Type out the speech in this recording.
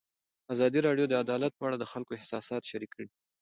ازادي راډیو د عدالت په اړه د خلکو احساسات شریک کړي.